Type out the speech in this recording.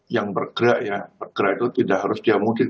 yang bergerak ya bergerak itu tidak harus dia mudik